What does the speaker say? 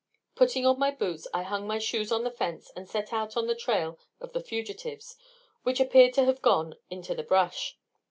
Putting on my boots, I hung my shoes on the fence, and set out on the trail of the fugitives, which appeared to have gone into the brush.